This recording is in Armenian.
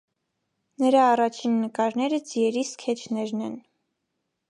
Նրա առաջին նկարները ձիերի սքեչներն են։